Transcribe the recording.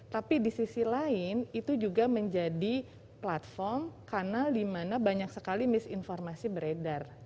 tapi di sisi lain itu juga menjadi platform kanal di mana banyak sekali misinformasi beredar